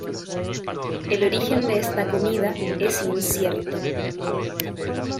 El origen de esta comida es incierto.